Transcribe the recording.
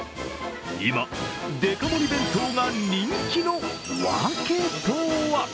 今、デカ盛り弁当が人気の訳とは？